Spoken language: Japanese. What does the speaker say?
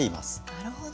なるほど。